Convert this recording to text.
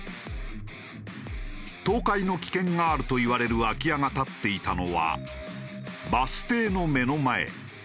倒壊の危険があるといわれる空き家が立っていたのはバス停の目の前。